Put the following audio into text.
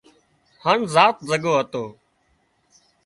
هانَ رات زڳو هتو